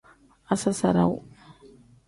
Asasarawu.